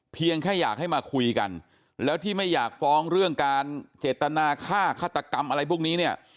เพียงแค่อยากให้มาคุยกันแล้วที่ไม่อยากฟ้องเรื่องการเจตนาฆ่าฆาตกรรมอะไรพวกนี้เนี่ย